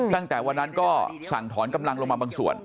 ตั้งแต่วันนั้นก็สั่งถอนกำลังลงมาบางส่วน